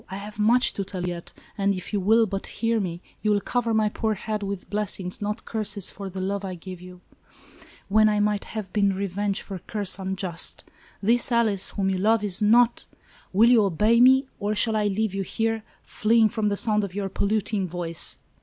I have much to tell you yet, and if you will but hear me, you will cover my poor head with blessings, not curses, for the love I give you, when I might have been revenged for curse un just. This Alice whom you love is not —" "Will you obey me, or shall I leave you here, fleeing from the sound of your polluting voice?"